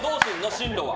進路は。